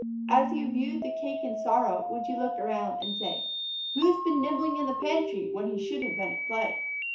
As you viewed the cake in sorrow would you look around and say, "Who's been nibbling in the pantry when he should have been at play?"